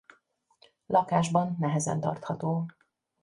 Lakásban nehezen tartható.